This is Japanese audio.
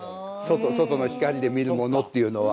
外の光で見るものっていうのは。